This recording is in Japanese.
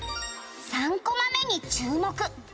「３コマ目に注目」